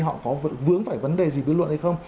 họ có vướng phải vấn đề gì dư luận hay không